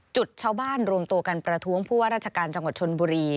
จุดชาวบ้านรวมตัวกันประท้วงผู้ว่าราชการจังหวัดชนบุรี